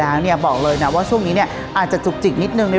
แล้วเนี่ยบอกเลยนะว่าช่วงนี้เนี่ยอาจจะจุกจิกนิดนึงใน